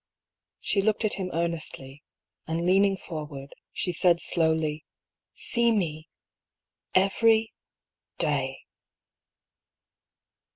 She looked at him earnestly, and leaning forward she said, slowly :" See me — every — day